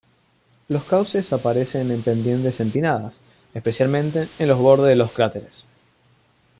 Los cauces aparecen en pendientes empinadas, especialmente en los bordes de los cráteres.